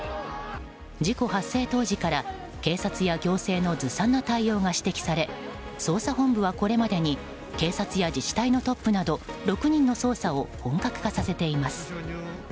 事故発生当時から警察や行政のずさんな対応が指摘され捜査本部はこれまでに警察や自治体のトップなど６人の捜査を本格化させています。